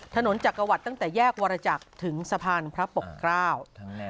จักรวรรดิตั้งแต่แยกวรจักรถึงสะพานพระปกเกล้า